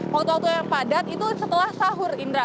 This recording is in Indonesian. waktu waktu yang padat itu setelah sahur indra